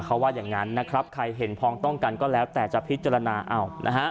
เขาว่าอย่างนั้นนะครับใครเห็นพองต้องกันก็แล้วแต่จะพิจารณาเอานะฮะ